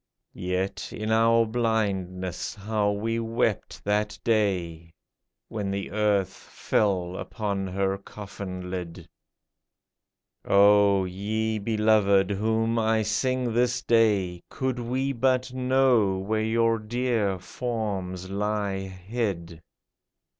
Yet, in our blindness, how we wept that day. When the earth fell upon her coffin lid ! O, ye beloved whom I sing this day, Could we but know where your dear forms lie hid